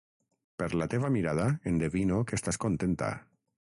Per la teva mirada, endevino que estàs contenta.